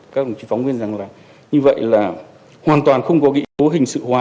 các phóng viên rằng là như vậy là hoàn toàn không có nghĩa hình sự hóa